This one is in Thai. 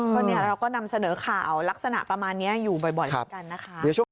ค่ะวันนี้เราก็นำเสนอข่าวลักษณะประมาณนี้อยู่บ่อยแล้วกันนะคะ